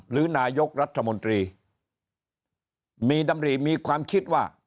หรือนายกรัฐมนตรีมีดำริมีความคิดว่า